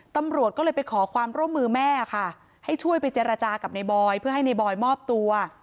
ตำรวจก็เลยไปขอความร่วมมือแม่ค่ะให้ช่วยไปเจรจากับในบอยเพื่อให้ในบอยมอบตัว